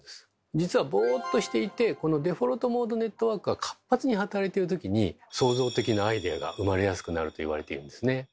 実はボーっとしていてこのデフォルトモードネットワークが活発に働いてるときに創造的なアイデアが生まれやすくなると言われているんですね。